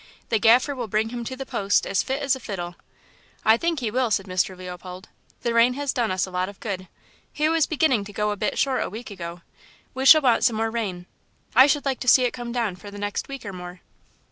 "The Gaffer will bring him to the post as fit as a fiddle." "I think he will," said Mr. Leopold. "The rain has done us a lot of good; he was beginning to go a bit short a week ago. We shall want some more rain. I should like to see it come down for the next week or more."